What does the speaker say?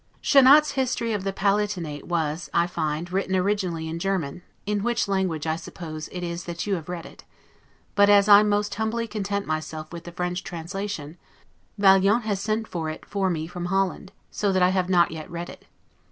Schannat's "History of the Palatinate" was, I find, written originally in German, in which language I suppose it is that you have read it; but, as I must humbly content myself with the French translation, Vaillant has sent for it for me from Holland, so that I have not yet read it.